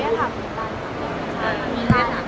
โอ้ดีได้